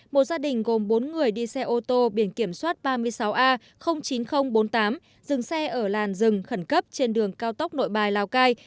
một gia đình gồm bốn người đi xe ô tô biển kiểm soát ba mươi sáu a chín nghìn bốn mươi tám dừng xe ở làn rừng khẩn cấp trên đường cao tốc nội bài lào cai